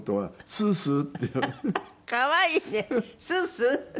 スースー。